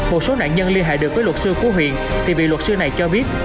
một số nạn nhân liên hệ được với luật sư của huyện thì bị luật sư này cho biết